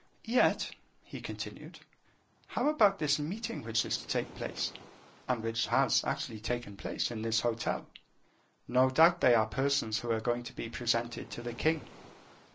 Yet," he continued, "how about this meeting which is to take place, and which has actually taken place, in this hotel? No doubt they are persons who are going to be presented to the king.